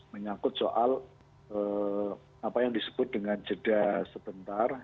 menyangkut soal apa yang disebut dengan jeda sebentar